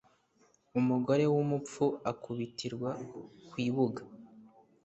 Umugore w’umupfu akubitirwa ku ibuga.